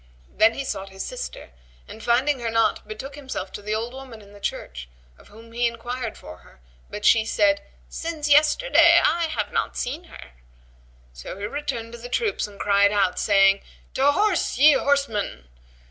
Then he sought his sister and finding her not, betook himself to the old woman in the church, of whom he enquired for her, but she said, "Since yesterday I have not seen her." So he returned to the troops and cried out, saying, "To horse, ye horsemen!"